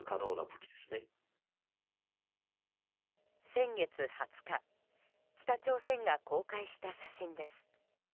先月２０日北朝鮮が公開した写真です。